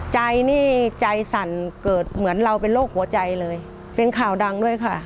ใจนี่ใจสั่นเกิดเหมือนเราเป็นโรคหัวใจเลยเป็นข่าวดังด้วยค่ะ